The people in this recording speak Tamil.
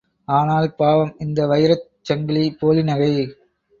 ஆனால் பாவம், இந்த வைரச் சங்கிலி போலி நகை...!